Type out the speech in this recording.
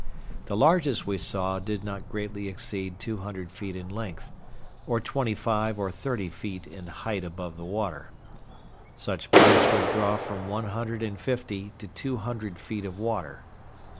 The largest we saw did not greatly exceed two hundred feet in length, or twenty five or thirty feet in height above the water. Such bergs would draw from one hundred and fifty to two hundred feet of water.